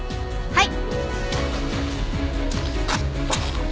はい。